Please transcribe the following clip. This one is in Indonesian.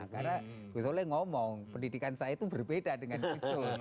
karena gus solah ngomong pendidikan saya itu berbeda dengan gus dur